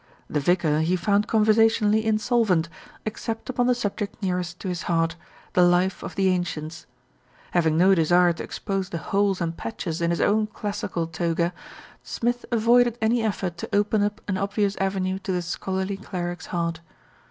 The vicar he found conversationally insolvent, ex cept upon the subject nearest to his heart the life of the Ancients. Having no desire to expose the holes and patches in his own classical toga, Smith avoided any effort to open up an obvious avenue to the schol arly cleric's heart.